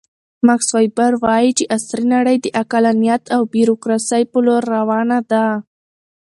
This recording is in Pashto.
ماکس ویبر وایي چې عصري نړۍ د عقلانیت او بیروکراسۍ په لور روانه ده.